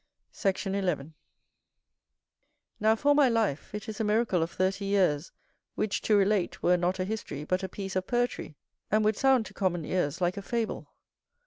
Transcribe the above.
[R] "Cic. de Off.," 1. iii. Sect. 11. Now for my life, it is a miracle of thirty years, which to relate, were not a history, but a piece of poetry, and would sound to common ears like a fable.